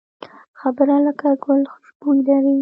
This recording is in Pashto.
خبره لکه ګل خوشبويي لري